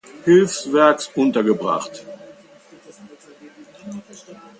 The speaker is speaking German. Hilfswerks untergebracht.